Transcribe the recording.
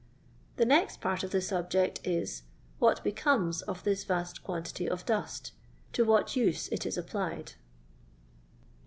The next part of the subject is — what becomes of this vast quantity of dust — to what use it is applied.